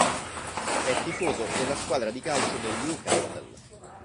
È tifoso della squadra di calcio del Newcastle.